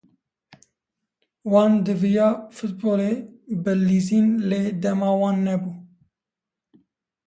Wan diviya futbolê bi lîzin lê dema wan nebû